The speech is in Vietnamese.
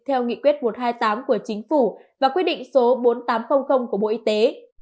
theo nghị quyết một trăm hai mươi tám của chính phủ và quyết định số bốn nghìn tám trăm linh của bộ y tế